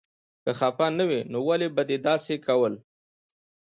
که خفه نه وې نو ولې به دې داسې کول هه.